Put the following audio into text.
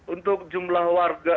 untuk jumlah warga